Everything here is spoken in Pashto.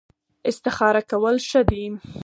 استخاره کول ښه دي